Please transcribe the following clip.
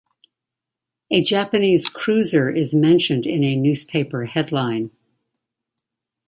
A Japanese cruiser is mentioned in a newspaper headline.